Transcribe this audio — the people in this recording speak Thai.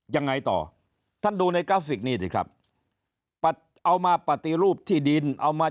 ยังไงต่อท่านดูในกราฟิกนี้สิครับเอามาปฏิรูปที่ดินเอามา